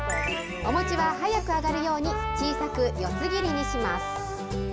お餅は早く揚がるように、小さく四つ切りにします。